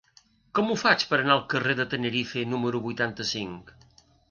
Com ho faig per anar al carrer de Tenerife número vuitanta-cinc?